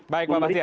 baik pak bahtiar